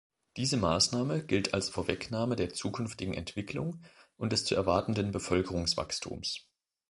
Diese Maßnahme gilt als Vorwegnahme der zukünftigen Entwicklung und des zu erwartenden Bevölkerungswachstums.